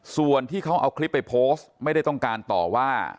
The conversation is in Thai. ส่วนที่เขาเอาคลิปไปโพสต์ไม่ได้ต้องการต่อว่า